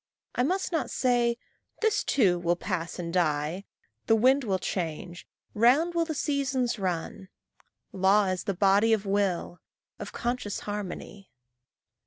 I must not say "This too will pass and die," "The wind will change," "Round will the seasons run." Law is the body of will, of conscious harmony.